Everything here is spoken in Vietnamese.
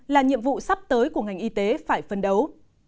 là nhiệm vụ sắp tới của ngành y tế phải phân đấu